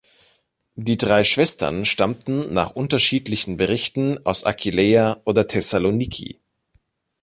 Die drei Schwestern stammten nach unterschiedlichen Berichten aus Aquileia oder Thessaloniki.